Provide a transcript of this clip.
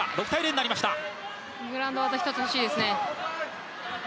グラウンド、１つ欲しいですね。